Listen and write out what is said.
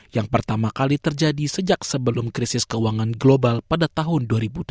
yang pertama kali terjadi sejak sebelum krisis keuangan global pada tahun dua ribu dua puluh